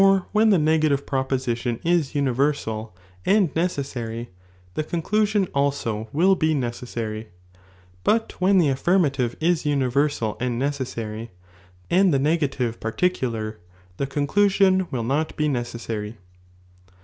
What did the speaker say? }' when the negative proposition is universal and ne iicuiui, oessary, the conclusion also will be nece8SBry, but when the alhrm aiive is universal and necessary, and the negative • Tsyiar in particular,* the conclusion will not be necessary, np^"*"^."